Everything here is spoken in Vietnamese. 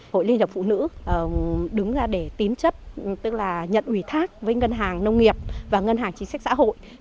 hội liên hiệp phụ nữ đứng ra để tín chấp tức là nhận ủy thác với ngân hàng nông nghiệp và ngân hàng chính sách xã hội